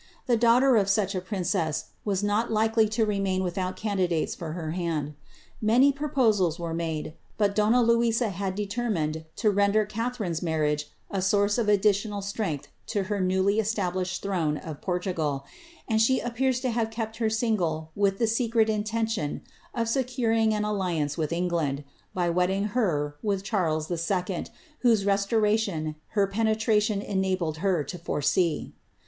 The < daughter of such a princess was not likely to remain without candidates ^ for her hand. Many proposals were made, but donna Luiza had dele^ y . mined to render Catharine^s marriage a source of additional strength to ft the newly established tlirone of Portugal ; and she appears to have kefit |^ her single with the secret intention of securing an alliance with F«ngit"dT 1; by wedding her with Charles II., whose restoration her penetialioi k enabled her to foresee.